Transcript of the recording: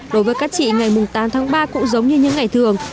đối với các chị ngày tám tháng ba cũng giống như những ngày thường